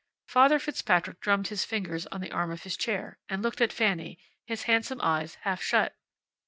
Father Fitzpatrick drummed with his fingers on the arm of his chair, and looked at Fanny, his handsome eyes half shut.